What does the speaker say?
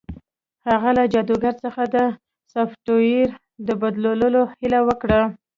هغه له جادوګر څخه د سافټویر د بدلولو هیله وکړه